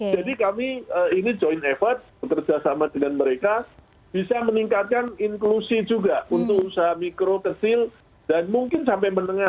jadi kami ini joint effort bekerja sama dengan mereka bisa meningkatkan inklusi juga untuk usaha mikro kecil dan mungkin sampai menengah